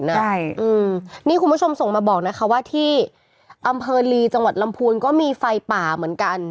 นี่คุณผู้ชมส่งมาบอกนะคะว่าที่อำเภอลีจังหวัดลำพูนก็มีไฟป่าเหมือนกัน